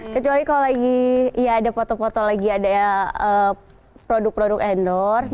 kecuali kalau lagi ya ada foto foto lagi ada ya produk produk endorse